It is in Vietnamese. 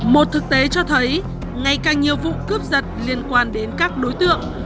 một thực tế cho thấy ngày càng nhiều vụ cướp giật liên quan đến các đối tượng